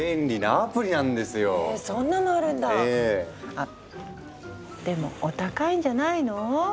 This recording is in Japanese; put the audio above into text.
あでもお高いんじゃないの？